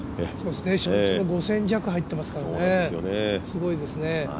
初日、５０００弱入っていますから、すごいですね。